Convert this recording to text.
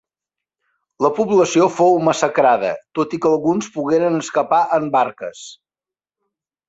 La població fou massacrada, tot i que alguns pogueren escapar en barques.